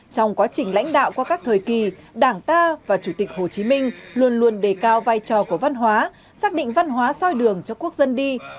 trong quá trình lãnh đạo qua các thời kỳ đảng ta và chủ tịch hồ chí minh luôn luôn đề cao vai trò của văn hóa xác định văn hóa soi đường cho quốc dân đi